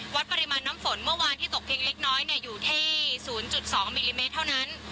วัดปริมาณน้ำฝนเมื่อวานที่ตกเพียงเล็กน้อยอยู่ที่๐๒มิลลิเมตรเท่านั้น